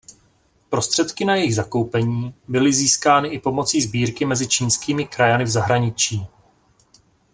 Prostředky na jejich zakoupení byly získány i pomocí sbírky mezi čínskými krajany v zahraničí.